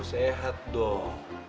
pokoknya bapak mau ditemani sama mas